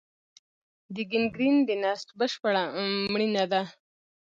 د ګینګرین د نسج بشپړ مړینه ده.